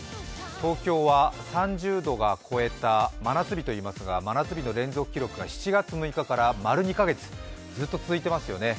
東京は３０度を超えたら真夏日といいますが真夏日の連続記録が７月６日から丸２か月、ずっと続いていますよね。